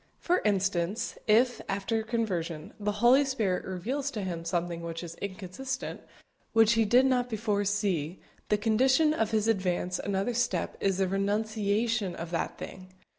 For instance, if, after conversion, the Holy Spirit reveals to him something which is inconsistent which he did not before see the condition of his advance another step is the renunciation of that thing!